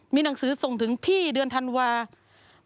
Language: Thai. มีหนังสือส่งถึงพี่เดือนธันวาคม